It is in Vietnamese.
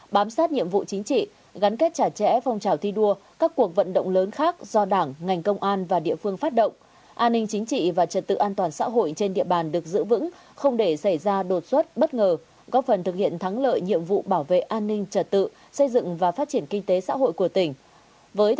bám sát nhiệm vụ chính trị gắn kết chặt chẽ phong trào thi đua các cuộc vận động lớn khác do đảng ngành công an và địa phương phát động an ninh chính trị và trật tự an toàn xã hội trên địa bàn được giữ vững không để xảy ra đột xuất bất ngờ góp phần thực hiện thắng lợi nhiệm vụ bảo vệ an ninh trật tự xây dựng và phát triển kinh tế xã hội của tỉnh